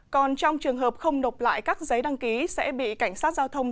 còn trong trường hợp không nộp lại các giấy đăng ký sẽ bị cảnh sát giao thông